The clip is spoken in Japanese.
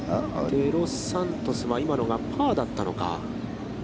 デロスサントスは今のがパーだったのか。